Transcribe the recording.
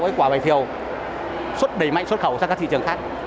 cái quả vải thiều đẩy mạnh xuất khẩu sang các thị trường khác